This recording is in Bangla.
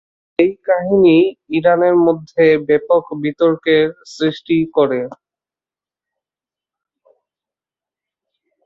এই কাহিনী ইরানের মধ্যে ব্যাপক বিতর্কের সৃষ্টি করে।